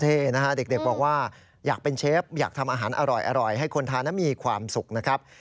เท่นะฮะเด็กบอกว่าอยากเป็นเชฟอยากทำอาหารอร่อยให้คนทานนั้นมีความสุขนะครับ